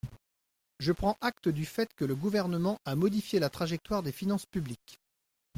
Je prends acte du fait que le Gouvernement a modifié la trajectoire des finances publiques.